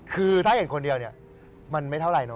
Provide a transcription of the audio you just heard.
คือถ้าเห็นคนเดียวเนี่ยมันไม่เท่าไรเน